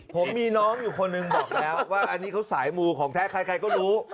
ผมมีน้องอยู่คนหนึ่งบอกแล้วว่าอันนี้เขาสายมูของแท้ใครก็รู้